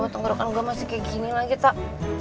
tenggorokan gue masih kayak gini lagi tak